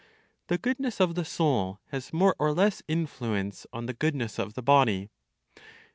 The goodness of the soul has more or less influence on the goodness of the body.